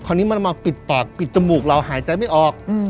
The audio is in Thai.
นี้มันมาปิดปากปิดจมูกเราหายใจไม่ออก